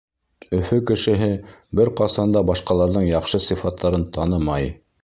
Өфө кешеһе бер ҡасан да башҡаларҙың яҡшы сифаттарын танымай.